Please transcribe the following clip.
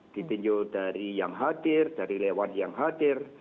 ditinjau dari yang hadir dari lewan yang hadir